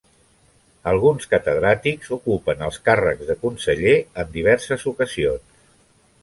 Alguns catedràtics ocupen els càrrecs de conseller en diverses ocasions.